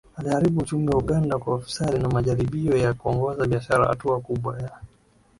Aliharibu uchumi wa Uganda kwa ufisadi na majaribio ya kuongoza biashara Hatua kubwa ya